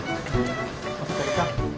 お疲れさん。